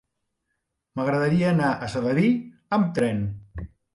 M'agradaria anar a Sedaví amb tren.